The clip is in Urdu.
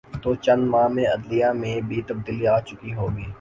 تو چند ماہ میں عدلیہ میں بھی تبدیلی آ چکی ہو گی۔